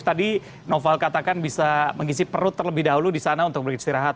tadi noval katakan bisa mengisi perut terlebih dahulu di sana untuk beristirahat